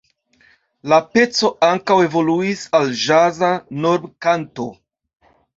La peco ankaŭ evoluis al ĵaza normkanto.